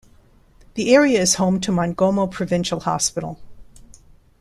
The area is home to Mongomo Provincial Hospital.